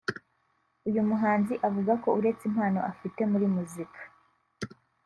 uyu muhanzi avuga ko uretse impano afite muri muzika